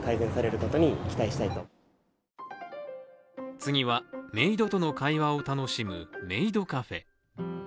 次は、メイドとの会話を楽しむメイドカフェ。